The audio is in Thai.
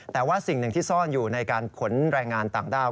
แต่ว่าสิ่งหนึ่งที่ซ่อนอยู่ในการขนแรงงานต่างด้าว